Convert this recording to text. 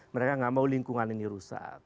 mereka nggak mau lingkungan ini rusak